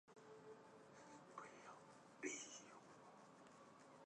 海因里希五世。